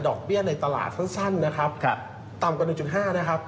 ดอกเบี้ยในตลาดสั้นนะครับครับต่ำกว่าหนึ่งจุดห้านะครับ